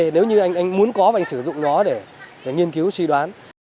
nếu như anh muốn có và anh sử dụng nó để nghiên cứu suy đoán